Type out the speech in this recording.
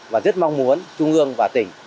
và rất mong muốn trung ương và tỉnh